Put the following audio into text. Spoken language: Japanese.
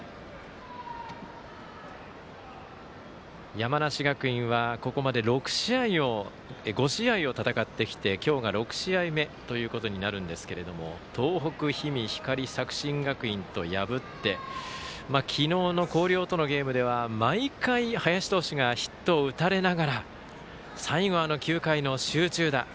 山梨学院はここまで５試合を戦ってきて、今日が６試合目ということになるんですが東北、氷見、光作新学院と破って昨日の広陵とのゲームでは毎回、林投手がヒットを打たれながら最後９回の集中打。